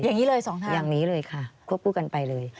อย่างนี้เลยสองทางอย่างนี้เลยค่ะควบคู่กันไปเลย